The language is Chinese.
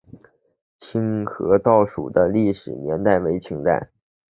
清河道署的历史年代为清代。